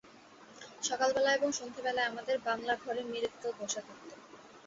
সকালবেলা এবং সন্ধ্যাবেলায় আমাদের বাংলাঘরেমিক্কেল বসে থাকত।